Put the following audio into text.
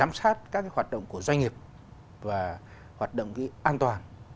và có cái cách mà để mà giám sát các cái hoạt động của doanh nghiệp và hoạt động cái an toàn